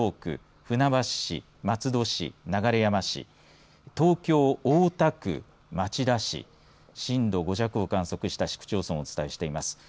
千葉県の千葉市中央区船橋市、松戸市、流山市東京、大田区、町田市震度５弱を観測した市区町村をお伝えしています。